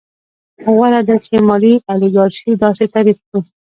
غوره ده چې مالي الیګارشي داسې تعریف کړو